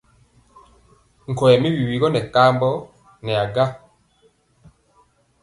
Nkɔyɛ mi wiwi gɔ nɛ kambɔ nɛ a gaŋ.